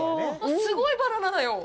すごいバナナだよ。